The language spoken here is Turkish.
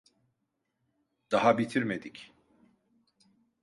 Daha bitirmedik.